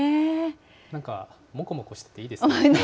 なんか、もこもこしてていいですよね。